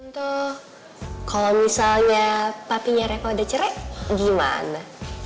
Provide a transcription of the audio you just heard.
tante kalau misalnya papinya reva udah cerai gimana